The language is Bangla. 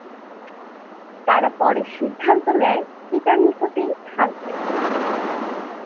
তারা পরে সিদ্ধান্ত নেয় পিতার নিকটেই থাকবে।